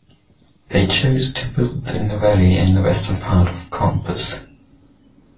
They chose to build in the valley in the western part of campus.